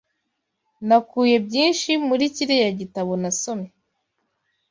Nakuye byinshi muri kiriya gitabo nasomye.